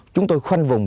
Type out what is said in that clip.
chúng tôi khoanh vùng